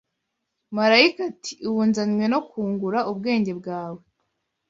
Marayika ati’’Ubu nzanywe no kungura ubwenge bwawe. ..